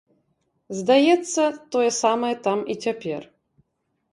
Здаецца, тое самае там і цяпер.